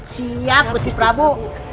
siap gusti prabu